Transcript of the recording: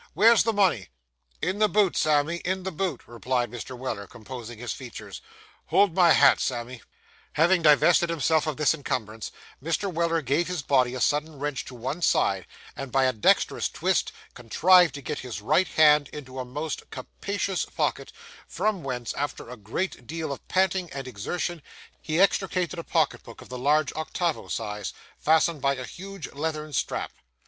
Where's the money?' 'In the boot, Sammy, in the boot,' replied Mr. Weller, composing his features. 'Hold my hat, Sammy.' Having divested himself of this encumbrance, Mr. Weller gave his body a sudden wrench to one side, and by a dexterous twist, contrived to get his right hand into a most capacious pocket, from whence, after a great deal of panting and exertion, he extricated a pocket book of the large octavo size, fastened by a huge leathern strap.